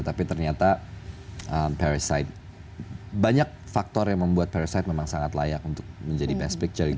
tapi ternyata parasite banyak faktor yang membuat parasite memang sangat layak untuk menjadi best picture gitu